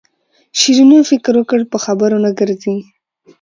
شیرینو فکر وکړ په خبرو نه ګرځي.